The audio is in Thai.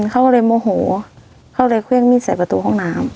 เขาก็เลยโมโหเขาเลยเครื่องมีดใส่ประตูห้องน้ำ